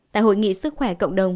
tại hội nghị sức khỏe cộng đồng